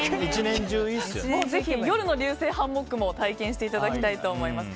夜の流星ハンモックも体験していただきたいと思います。